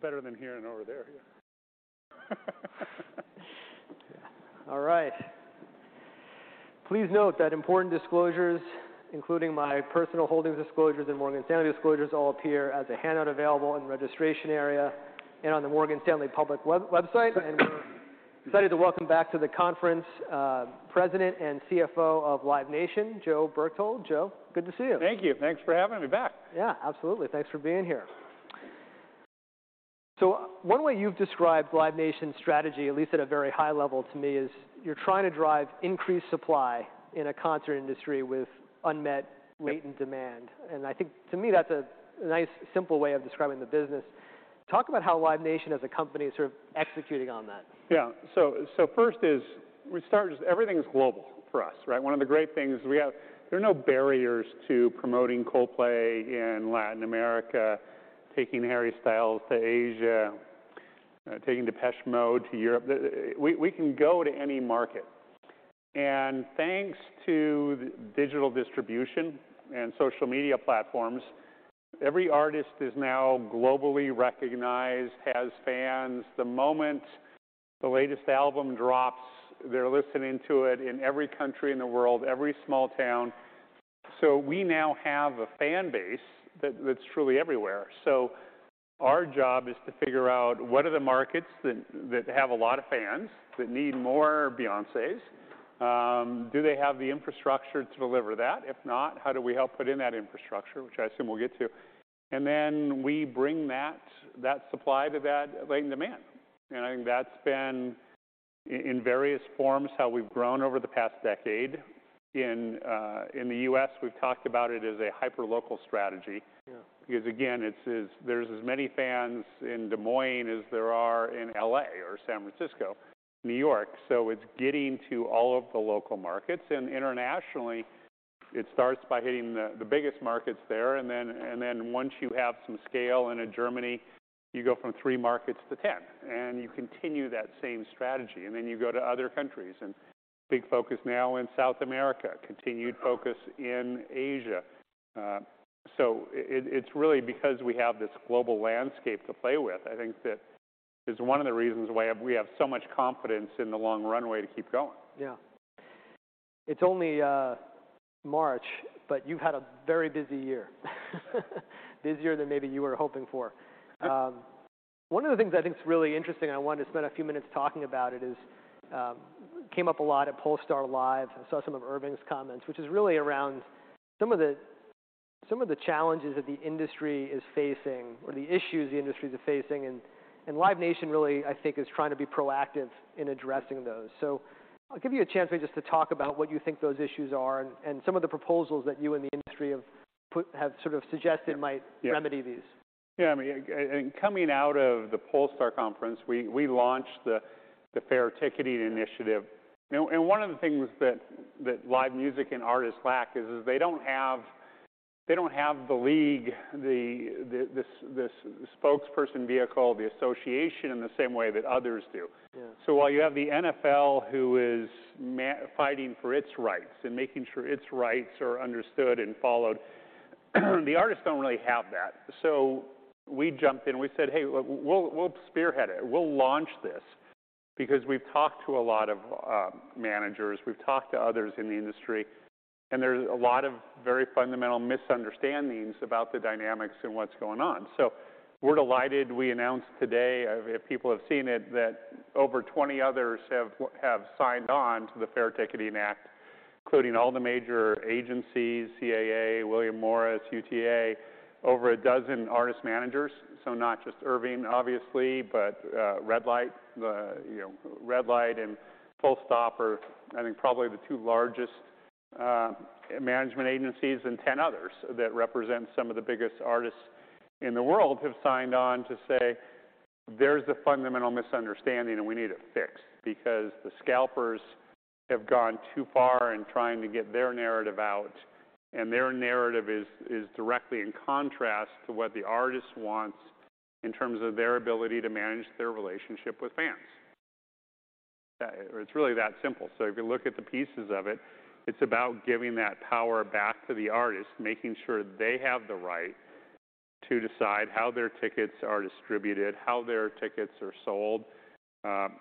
No better than here and over there. All right. Please note that important disclosures, including my personal holdings disclosures, and Morgan Stanley disclosures, all appear as a handout available in the registration area and on the Morgan Stanley public website. We're excited to welcome back to the conference, President and CFO of Live Nation, Joe Berchtold. Joe, good to see you. Thank you. Thanks for having me back. Yeah, absolutely. Thanks for being here. One way you've described Live Nation's strategy, at least at a very high level to me, is you're trying to drive increased supply in a concert industry with unmet- Yeah... latent demand. I think to me that's a nice simple way of describing the business. Talk about how Live Nation as a company is sort of executing on that. First is we start with just everything is global for us, right? One of the great things we have, there are no barriers to promoting Coldplay in Latin America, taking Harry Styles to Asia, taking Depeche Mode to Europe. We can go to any market. Thanks to digital distribution and social media platforms, every artist is now globally recognized, has fans. The moment the latest album drops, they're listening to it in every country in the world, every small town. We now have a fan base that's truly everywhere. Our job is to figure out what are the markets that have a lot of fans, that need more Beyoncés. Do they have the infrastructure to deliver that? If not, how do we help put in that infrastructure? Which I assume we'll get to. Then we bring that supply to that latent demand. I think that's been in various forms how we've grown over the past decade. In the U.S., we've talked about it as a hyperlocal strategy. Yeah. Again, there's as many fans in Des Moines as there are in L.A. or San Francisco, New York, it's getting to all of the local markets. Internationally, it starts by hitting the biggest markets there, then once you have some scale in a Germany, you go from three markets to 10, you continue that same strategy, then you go to other countries. Big focus now in South America, continued focus in Asia. It's really because we have this global landscape to play with, I think that is one of the reasons why we have so much confidence in the long runway to keep going. Yeah. It's only March, you've had a very busy year. Busier than maybe you were hoping for. One of the things I think is really interesting, I wanted to spend a few minutes talking about it, is came up a lot at Pollstar Live!, I saw some of Irving's comments, which is really around some of the challenges that the industry is facing or the issues the industry is facing, and Live Nation really, I think, is trying to be proactive in addressing those. I'll give you a chance maybe just to talk about what you think those issues are and some of the proposals that you and the industry have sort of suggested might- Yeah. remedy these. Yeah, I mean, and coming out of the Pollstar conference, we launched the FAIR Ticketing initiative. One of the things that live music and artists lack is they don't have, they don't have the league, the this spokesperson vehicle, the association in the same way that others do. Yeah. While you have the NFL who is fighting for its rights and making sure its rights are understood and followed, the artists don't really have that. We jumped in. We said, "Hey, we'll spearhead it. We'll launch this," because we've talked to a lot of managers, we've talked to others in the industry, and there's a lot of very fundamental misunderstandings about the dynamics and what's going on. We're delighted, we announced today, if people have seen it, that over 20 others have signed on to the FAIR Ticketing Act, including all the major agencies, CAA, William Morris, UTA, over a dozen artist managers. Not just Irving, obviously, but, you know, Red Light and Full Stop are, I think, probably the two largest, management agencies, and 10 others that represent some of the biggest artists in the world have signed on to say, "There's a fundamental misunderstanding and we need it fixed," because the scalpers have gone too far in trying to get their narrative out, and their narrative is directly in contrast to what the artist wants in terms of their ability to manage their relationship with fans. It's really that simple. If you look at the pieces of it's about giving that power back to the artist, making sure they have the right to decide how their tickets are distributed, how their tickets are sold, and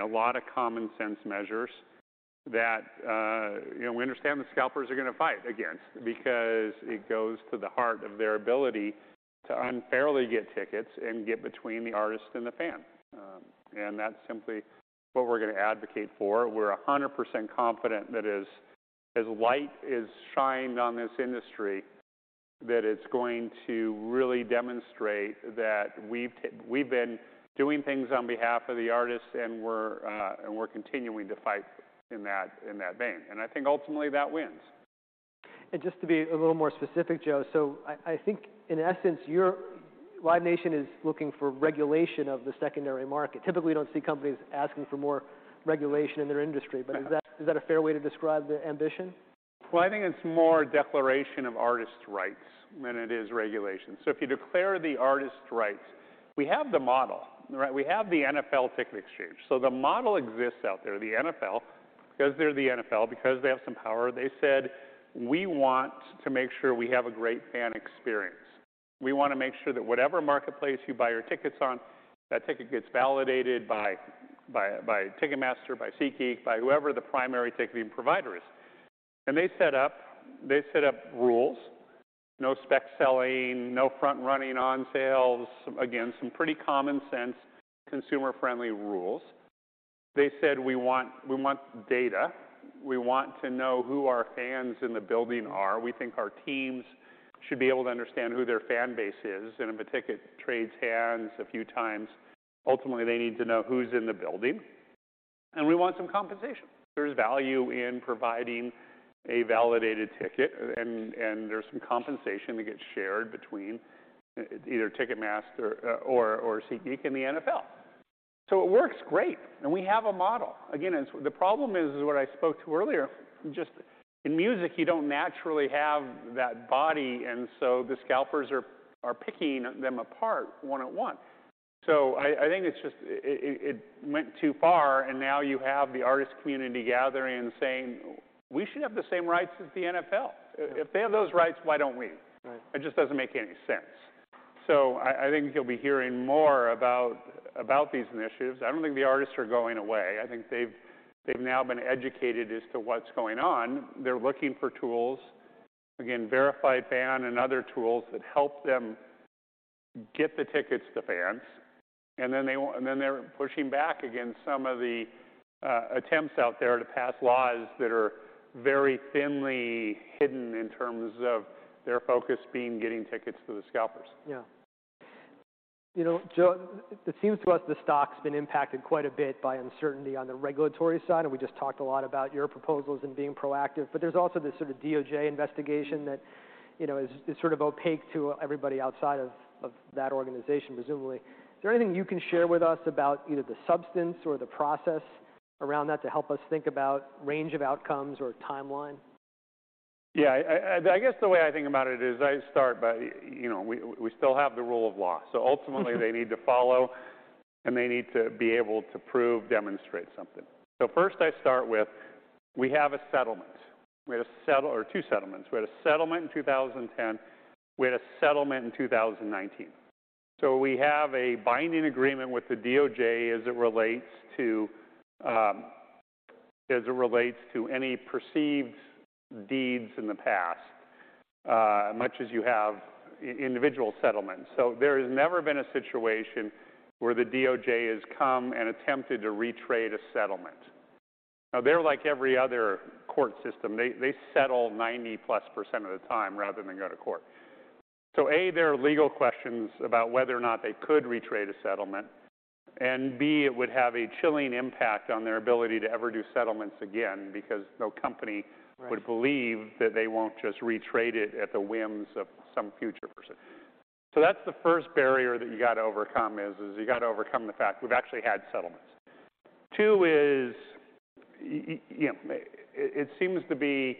a lot of common sense measures that, you know, we understand the scalpers are gonna fight against because it goes to the heart of their ability to unfairly get tickets and get between the artist and the fan. That's simply what we're gonna advocate for. We're 100% confident that as light is shined on this industry, that it's going to really demonstrate that we've been doing things on behalf of the artists and we're continuing to fight in that vein. I think ultimately that wins. Just to be a little more specific, Joe, I think in essence, Live Nation is looking for regulation of the secondary market. Typically, we don't see companies asking for more regulation in their industry. Yeah. Is that a fair way to describe the ambition? Well, I think it's more a declaration of artists' rights than it is regulation. If you declare the artists' rights, we have the model, right? We have the NFL Ticket Exchange. The model exists out there, because they're the NFL, because they have some power, they said, "We want to make sure we have a great fan experience. We wanna make sure that whatever marketplace you buy your tickets on, that ticket gets validated by Ticketmaster, by SeatGeek, by whoever the primary ticketing provider is." They set up rules. No spec selling, no front-running on sales. Again, some pretty common sense, consumer-friendly rules. They said, "We want data. We want to know who our fans in the building are. We think our teams should be able to understand who their fan base is, and if a ticket trades hands a few times, ultimately they need to know who's in the building. And we want some compensation." There's value in providing a validated ticket and there's some compensation that gets shared between either Ticketmaster or SeatGeek and the NFL. It works great, and we have a model. Again, the problem is what I spoke to earlier, just in music, you don't naturally have that body, and so the scalpers are picking them apart one-on-one. I think it's just it went too far and now you have the artist community gathering and saying, "We should have the same rights as the NFL. If they have those rights, why don't we? Right. It just doesn't make any sense. I think you'll be hearing more about these initiatives. I don't think the artists are going away. I think they've now been educated as to what's going on. They're looking for tools. Again, Verified Fan and other tools that help them get the tickets to fans, and then they're pushing back against some of the attempts out there to pass laws that are very thinly hidden in terms of their focus being getting tickets to the scalpers. Yeah. You know, Joe, it seems to us the stock's been impacted quite a bit by uncertainty on the regulatory side, and we just talked a lot about your proposals and being proactive, but there's also this sort of DOJ investigation that, you know, is sort of opaque to everybody outside of that organization, presumably. Is there anything you can share with us about either the substance or the process around that to help us think about range of outcomes or timeline? Yeah. I guess the way I think about it is I start by, you know, we still have the rule of law. Ultimately they need to follow, and they need to be able to prove, demonstrate something. First I start with, we have a settlement. We had two settlements. We had a settlement in 2010. We had a settlement in 2019. We have a binding agreement with the DOJ as it relates to, as it relates to any perceived deeds in the past, much as you have individual settlements. There has never been a situation where the DOJ has come and attempted to retrade a settlement. Now, they're like every other court system. They settle 90%+ of the time rather than go to court. A, there are legal questions about whether or not they could retrade a settlement, and B, it would have a chilling impact on their ability to ever do settlements again because. Right ...would believe that they won't just re-trade it at the whims of some future person. That's the first barrier that you gotta overcome is you gotta overcome the fact we've actually had settlements. Two is you know, it seems to be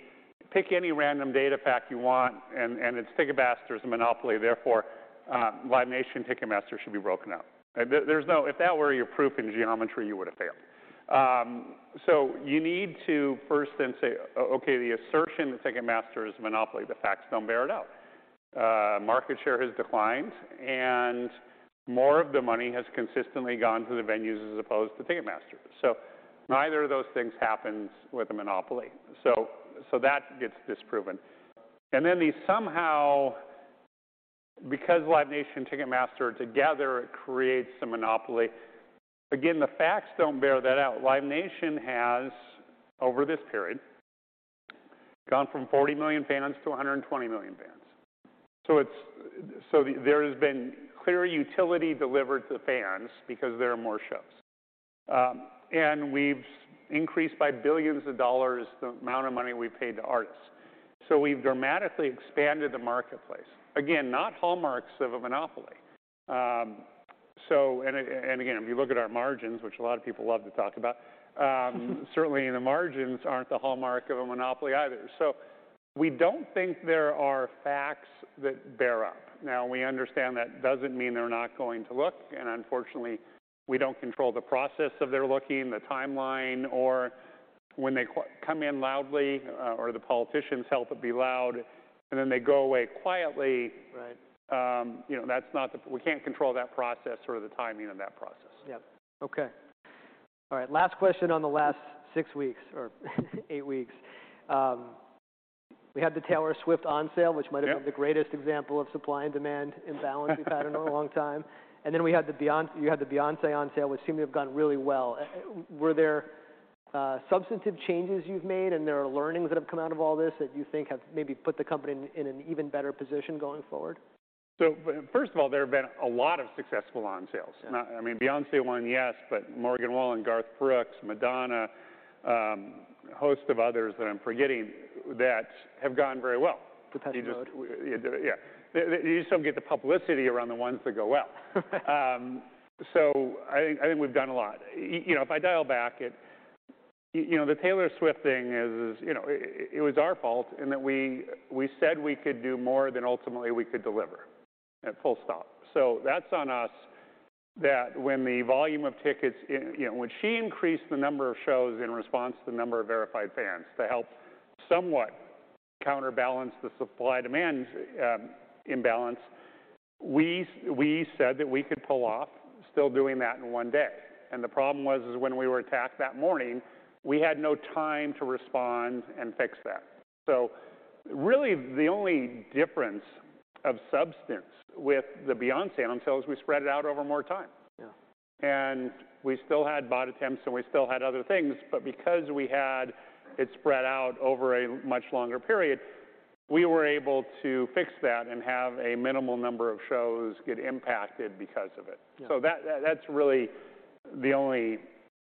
pick any random data fact you want and it's Ticketmaster's a monopoly, therefore, Live Nation-Ticketmaster should be broken up. There's no. If that were your proof in geometry, you would have failed. You need to first then say, "Oh, okay, the assertion that Ticketmaster is a monopoly, the facts don't bear it out." Market share has declined, and more of the money has consistently gone to the venues as opposed to Ticketmaster. Neither of those things happens with a monopoly. So that gets disproven. Then they somehow... Because Live Nation-Ticketmaster together creates a monopoly, again, the facts don't bear that out. Live Nation has, over this period, gone from 40 million fans-120 million fans. There has been clear utility delivered to the fans because there are more shows. We've increased by billions of dollars the amount of money we paid to artists. We've dramatically expanded the marketplace. Again, not hallmarks of a monopoly. Again, if you look at our margins, which a lot of people love to talk about. Certainly, and the margins aren't the hallmark of a monopoly either. We don't think there are facts that bear out. We understand that doesn't mean they're not going to look, and unfortunately, we don't control the process of their looking, the timeline, or when they come in loudly, or the politicians help it be loud, and then they go away quietly. Right. You know, we can't control that process or the timing of that process. Yeah. Okay. All right. Last question on the last six weeks or eight weeks. We had the Taylor Swift on sale. Yep... which might have been the greatest example of supply and demand imbalance we've had in a long time. You had the Beyoncé on sale, which seemed to have gone really well. Were there substantive changes you've made, and there are learnings that have come out of all this that you think have maybe put the company in an even better position going forward? First of all, there have been a lot of successful on sales. Yeah. I mean, Beyoncé one, yes, but Morgan Wallen, Garth Brooks, Madonna, a host of others that I'm forgetting that have gone very well. The test load. Yeah. You just don't get the publicity around the ones that go well. I think we've done a lot. You know, if I dial back it, you know, the Taylor Swift thing is, you know, it was our fault in that we said we could do more than ultimately we could deliver. Full stop. That's on us. That when the volume of tickets, you know, when she increased the number of shows in response to the number of Verified Fans to help somewhat counterbalance the supply-demand imbalance, we said that we could pull off still doing that in one day. The problem was is when we were attacked that morning, we had no time to respond and fix that. Really, the only difference of substance with the Beyoncé on sales, we spread it out over more time. Yeah. We still had bot attempts, and we still had other things, but because we had it spread out over a much longer period, we were able to fix that and have a minimal number of shows get impacted because of it. Yeah. That's really the only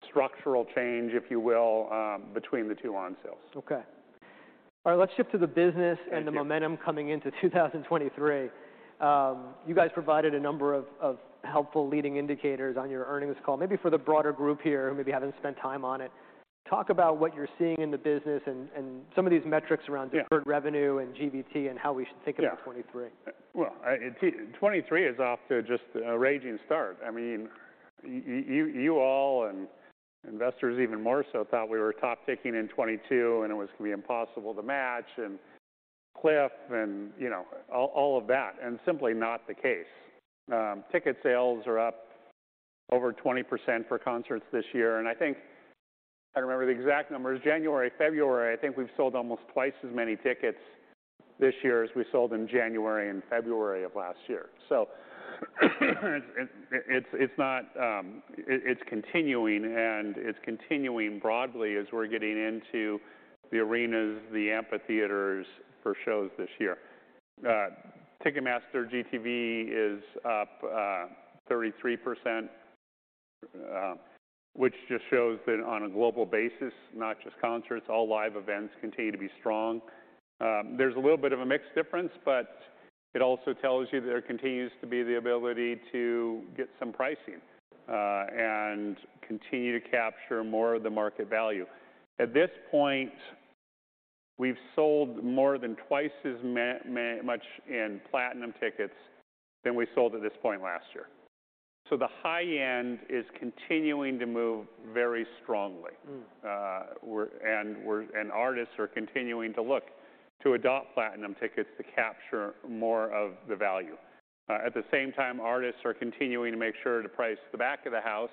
structural change, if you will, between the two on sales. Okay. All right. Let's shift to the business. Thank you.... and the momentum coming into 2023. You guys provided a number of helpful leading indicators on your earnings call. Maybe for the broader group here who maybe haven't spent time on it, talk about what you're seeing in the business and some of these metrics around. Yeah deferred revenue and GTV and how we should think about 2023. Well, 2023 is off to just a raging start. I mean, you all and investors even more so thought we were top-ticking in 2022, and it was gonna be impossible to match and cliff and, you know, all of that, and simply not the case. Ticket sales are up over 20% for concerts this year, and I think I don't remember the exact numbers. January, February, I think we've sold almost twice as many tickets this year as we sold in January and February of last year. It's not. It's continuing, and it's continuing broadly as we're getting into the arenas, the amphitheaters for shows this year. Ticketmaster GTV is up 33%, which just shows that on a global basis, not just concerts, all live events continue to be strong. There's a little bit of a mix difference, but it also tells you there continues to be the ability to get some pricing and continue to capture more of the market value. At this point, we've sold more than twice as much in Platinum tickets than we sold at this point last year. The high end is continuing to move very strongly. Mm. Artists are continuing to look to adopt Platinum tickets to capture more of the value. At the same time, artists are continuing to make sure to price the back of the house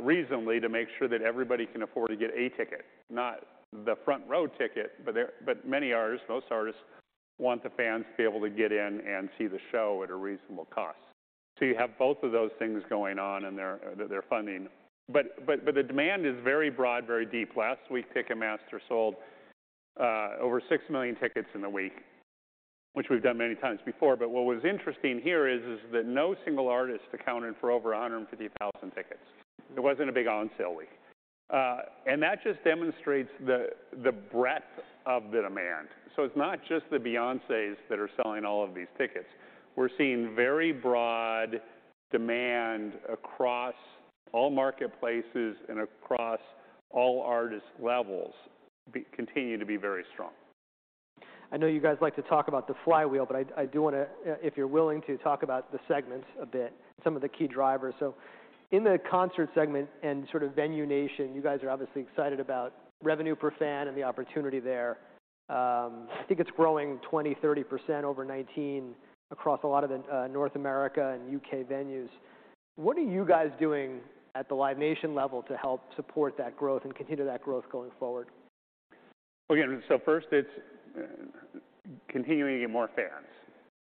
reasonably to make sure that everybody can afford to get a ticket. Not the front row ticket, but many artists, most artists want the fans to be able to get in and see the show at a reasonable cost. You have both of those things going on, and they're funding. The demand is very broad, very deep. Last week, Ticketmaster sold over 6 million tickets in the week, which we've done many times before. What was interesting here is that no single artist accounted for over 150,000 tickets. It wasn't a big on-sale week. That just demonstrates the breadth of the demand. It's not just the Beyoncés that are selling all of these tickets. We're seeing very broad demand across all marketplaces and across all artist levels continue to be very strong. I know you guys like to talk about the flywheel, I do wanna, if you're willing to, talk about the segments a bit, some of the key drivers. In the concert segment and sort of Venue Nation, you guys are obviously excited about revenue per fan and the opportunity there. I think it's growing 20%-30% over 2019 across a lot of the North America and U.K. venues. What are you guys doing at the Live Nation level to help support that growth and continue that growth going forward? Again, first it's continuing to get more fans,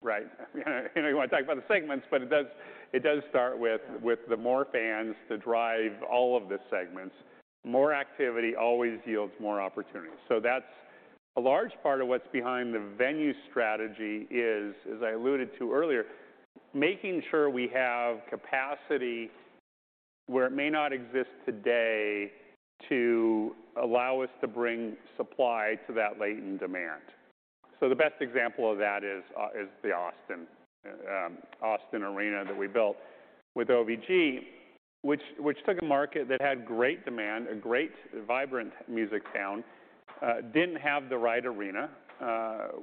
right? I know you wanna talk about the segments, it does start with the more fans to drive all of the segments. More activity always yields more opportunities. That's a large part of what's behind the venue strategy is, as I alluded to earlier, making sure we have capacity where it may not exist today to allow us to bring supply to that latent demand. The best example of that is the Austin Austin arena that we built with OVG, which took a market that had great demand, a great, vibrant music town, didn't have the right arena.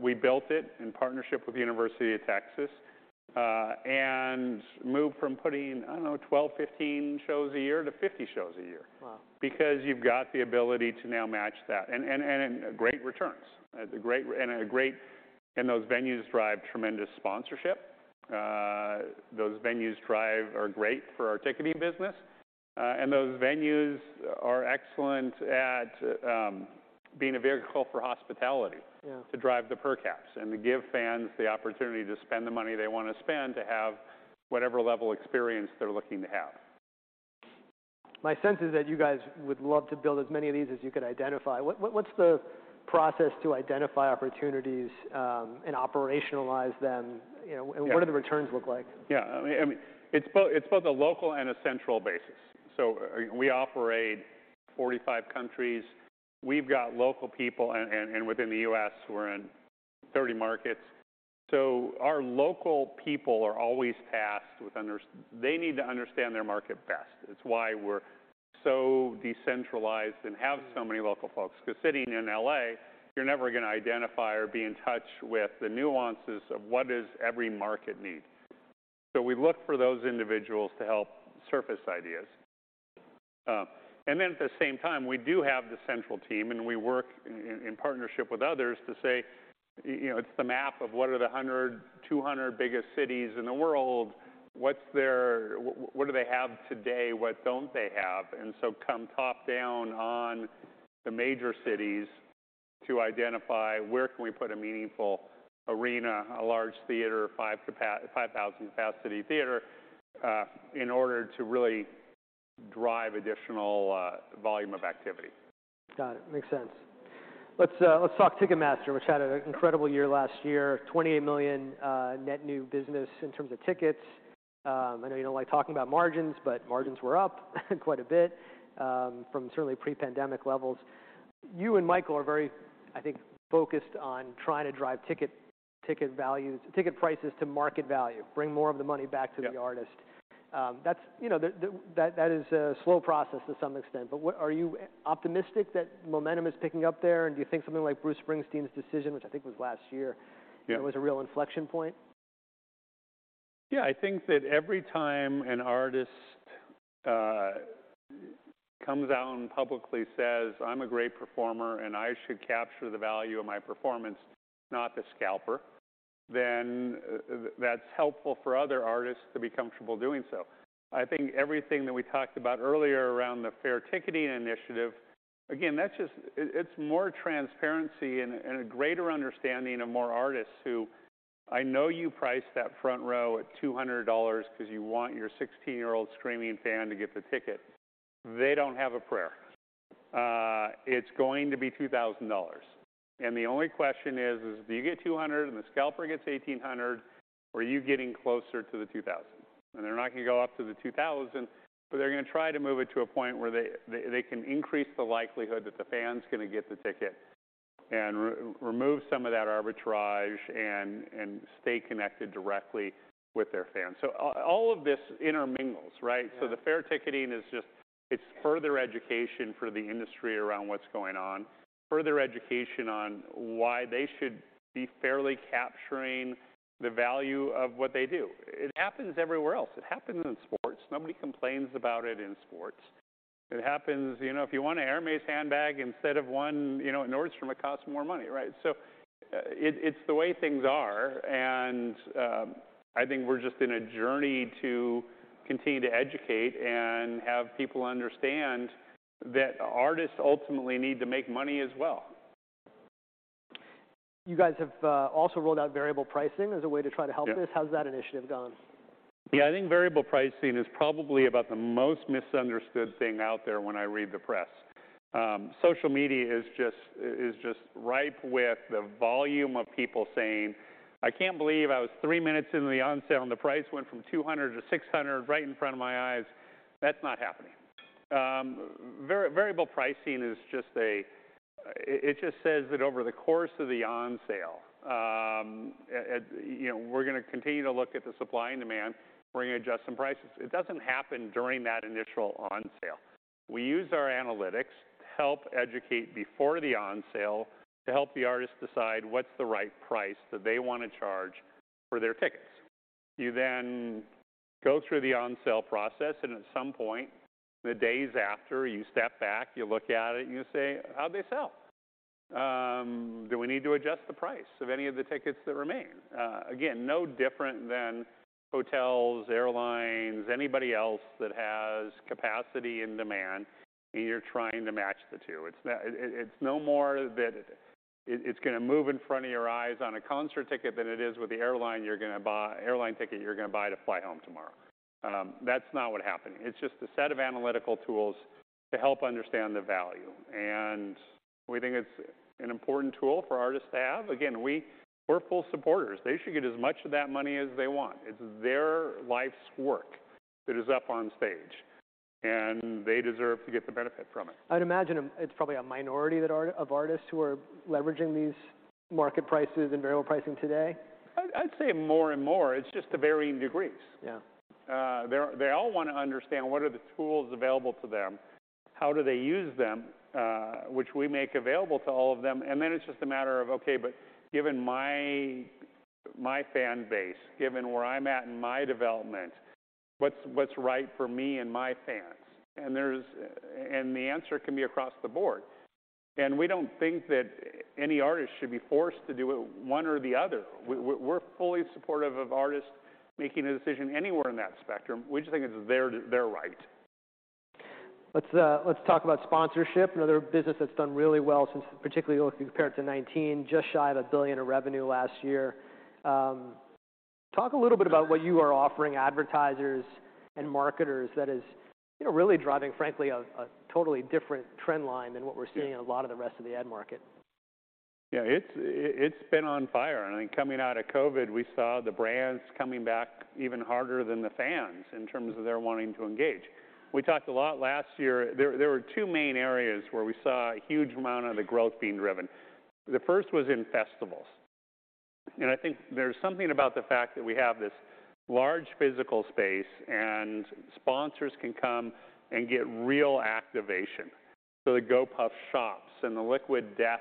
We built it in partnership with the University of Texas, and moved from putting, I don't know, 12, 15 shows a year to 50 shows a year. Wow. You've got the ability to now match that, and great returns. Those venues drive tremendous sponsorship. Those venues drive are great for our ticketing business. Those venues are excellent at being a vehicle for hospitality. Yeah ... to drive the per caps and to give fans the opportunity to spend the money they wanna spend to have whatever level experience they're looking to have. My sense is that you guys would love to build as many of these as you could identify. What's the process to identify opportunities, and operationalize them, you know? Yeah. What do the returns look like? Yeah. I mean, it's both a local and a central basis. We operate 45 countries. We've got local people and within the U.S., we're in 30 markets. Our local people are always tasked with They need to understand their market best. It's why we're so decentralized and have so many local folks. 'Cause sitting in L.A., you're never gonna identify or be in touch with the nuances of what does every market need. We look for those individuals to help surface ideas. At the same time, we do have the central team, and we work in partnership with others to say, you know, it's the map of what are the 100, 200 biggest cities in the world, what do they have today, what don't they have? Come top down on the major cities to identify where can we put a meaningful arena, a large theater, 5,000 capacity theater, in order to really drive additional volume of activity. Got it. Makes sense. Let's talk Ticketmaster, which had an incredible year last year. 28 million net new business in terms of tickets. I know you don't like talking about margins, but margins were up quite a bit from certainly pre-pandemic levels. You and Michael are very, I think, focused on trying to drive ticket prices to market value, bring more of the money back to- Yep... the artist. That's, you know, that is a slow process to some extent. Are you optimistic that momentum is picking up there? Do you think something like Bruce Springsteen's decision, which I think was last year- Yeah it was a real inflection point? Yeah, I think that every time an artist comes out and publicly says, "I'm a great performer, and I should capture the value of my performance, not the scalper," then that's helpful for other artists to be comfortable doing so. I think everything that we talked about earlier around the FAIR Ticketing initiative, again, that's just. It's more transparency and a greater understanding of more artists who I know you priced that front row at $200 'cause you want your 16-year-old screaming fan to get the ticket. They don't have a prayer. It's going to be $2,000, and the only question is, do you get $200 and the scalper gets $1,800, or are you getting closer to the $2,000? They're not gonna go up to the 2,000, but they're gonna try to move it to a point where they can increase the likelihood that the fan's gonna get the ticket and re-remove some of that arbitrage and stay connected directly with their fans. All of this intermingles, right? Yeah. The FAIR Ticketing is just- Yeah... it's further education for the industry around what's going on, further education on why they should be fairly capturing the value of what they do. It happens everywhere else. It happens in sports. Nobody complains about it in sports. It happens, you know, if you want a Hermès handbag instead of one, you know, at Nordstrom, it costs more money, right? It's the way things are, and I think we're just in a journey to continue to educate and have people understand that artists ultimately need to make money as well. You guys have, also rolled out variable pricing as a way to try to help this. Yeah. How's that initiative gone? Yeah, I think variable pricing is probably about the most misunderstood thing out there when I read the press. Social media is just ripe with the volume of people saying, "I can't believe I was three minutes into the on sale and the price went from $200-$600 right in front of my eyes." That's not happening. variable pricing is just. It just says that over the course of the on sale, you know, we're gonna continue to look at the supply and demand, we're gonna adjust some prices. It doesn't happen during that initial on sale. We use our analytics to help educate before the on sale to help the artist decide what's the right price that they wanna charge for their tickets. You go through the on sale process. At some point, the days after, you step back, you look at it, you say, "How'd they sell? Do we need to adjust the price of any of the tickets that remain?" Again, no different than hotels, airlines, anybody else that has capacity and demand. You're trying to match the two. It's no more that it's gonna move in front of your eyes on a concert ticket than it is with the airline ticket you're gonna buy to fly home tomorrow. That's not what happened. It's just a set of analytical tools to help understand the value. We think it's an important tool for artists to have. Again, we're full supporters. They should get as much of that money as they want. It's their life's work that is up on stage. They deserve to get the benefit from it. I'd imagine it's probably a minority of artists who are leveraging these market prices and variable pricing today. I'd say more and more. It's just to varying degrees. Yeah. They all wanna understand what are the tools available to them, how do they use them, which we make available to all of them, and then it's just a matter of, okay, but given my fan base, given where I'm at in my development, what's right for me and my fans? There's. The answer can be across the board. We don't think that any artist should be forced to do it one or the other. We're fully supportive of artists making a decision anywhere in that spectrum. We just think it's their right. Let's talk about sponsorship, another business that's done really well since particularly compared to 2019, just shy of $1 billion in revenue last year. Talk a little bit about what you are offering advertisers and marketers that is, you know, really driving, frankly, a totally different trend line than what we're seeing. Yeah in a lot of the rest of the ad market. Yeah. It's been on fire. I think coming out of COVID, we saw the brands coming back even harder than the fans in terms of their wanting to engage. We talked a lot last year. There were two main areas where we saw a huge amount of the growth being driven. The first was in festivals. I think there's something about the fact that we have this large physical space and sponsors can come and get real activation. The Gopuff shops and the Liquid Death,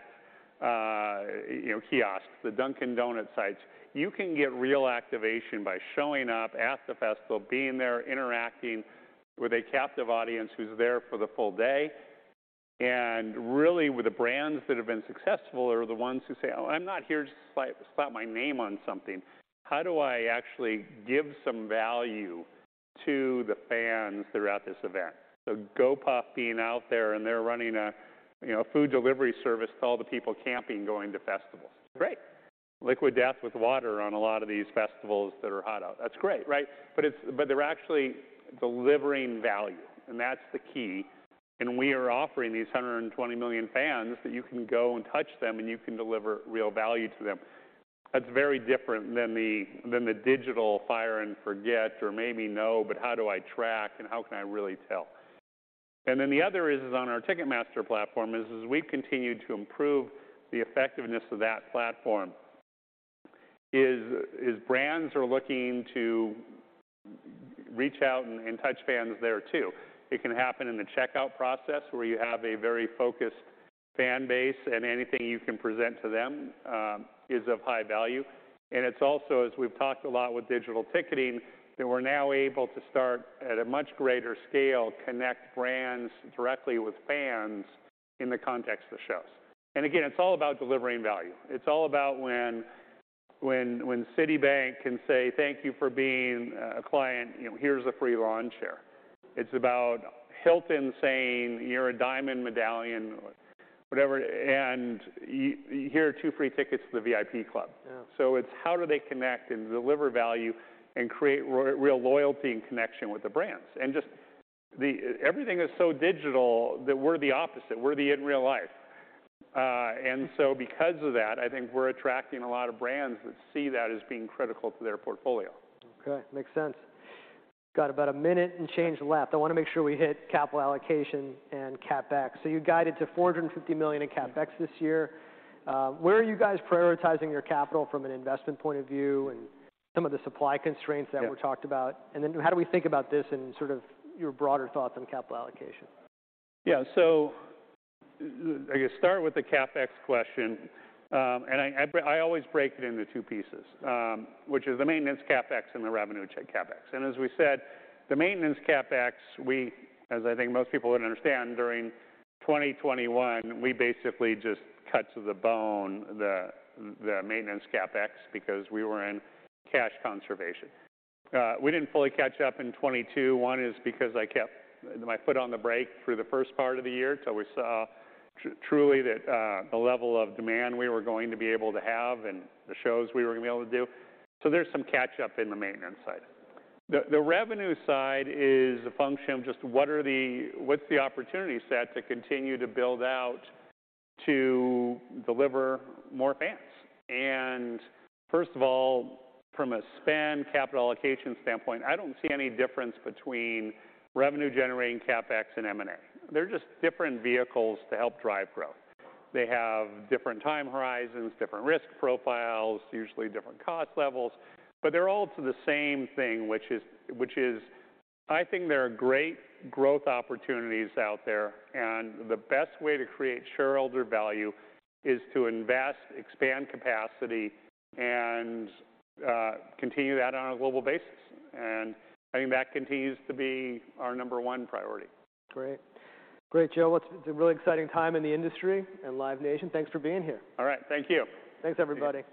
you know, kiosks, the Dunkin' Donuts sites, you can get real activation by showing up at the festival, being there, interacting with a captive audience who's there for the full day. Really, with the brands that have been successful are the ones who say, "Oh, I'm not here to slap my name on something. How do I actually give some value to the fans throughout this event? Gopuff being out there, and they're running a, you know, food delivery service to all the people camping, going to festivals. Great. Liquid Death with water on a lot of these festivals that are hot out. That's great, right? They're actually delivering value, and that's the key. We are offering these 120 million fans that you can go and touch them, and you can deliver real value to them. That's very different than the, than the digital fire and forget or maybe know, but how do I track and how can I really tell? The other is on our Ticketmaster platform as we continue to improve the effectiveness of that platform is brands are looking to reach out and touch fans there too. It can happen in the checkout process where you have a very focused fan base and anything you can present to them is of high value. It's also, as we've talked a lot with digital ticketing, that we're now able to start at a much greater scale, connect brands directly with fans in the context of shows. Again, it's all about delivering value. It's all about when Citibank can say, "Thank you for being a client, you know, here's a free lawn chair." It's about Hilton saying, "You're a Diamond," whatever, "and here are two free tickets to the VIP Club. Yeah. It's how do they connect and deliver value and create real loyalty and connection with the brands? Everything is so digital that we're the opposite. We're the in real life. Because of that, I think we're attracting a lot of brands that see that as being critical to their portfolio. Okay. Makes sense. Got about a minute and change left. I wanna make sure we hit capital allocation and CapEx. You guided to $450 million in CapEx this year. Where are you guys prioritizing your capital from an investment point of view and some of the supply constraints- Yeah ...that were talked about? How do we think about this and sort of your broader thoughts on capital allocation? I guess start with the CapEx question. And I always break it into two pieces, which is the maintenance CapEx and the revenue check CapEx. As we said, the maintenance CapEx, we, as I think most people would understand, during 2021, we basically just cut to the bone the maintenance CapEx because we were in cash conservation. We didn't fully catch up in 2022. One is because I kept my foot on the brake through the first part of the year till we saw truly that the level of demand we were going to be able to have and the shows we were gonna be able to do. There's some catch-up in the maintenance side. The revenue side is a function of just what's the opportunity set to continue to build out to deliver more fans. First of all, from a spend capital allocation standpoint, I don't see any difference between revenue generating CapEx and M&A. They're just different vehicles to help drive growth. They have different time horizons, different risk profiles, usually different cost levels, but they're all to the same thing, which is I think there are great growth opportunities out there, and the best way to create shareholder value is to invest, expand capacity, and continue that on a global basis. I think that continues to be our number one priority. Great, Joe. It's a really exciting time in the industry and Live Nation. Thanks for being here. All right. Thank you. Thanks everybody.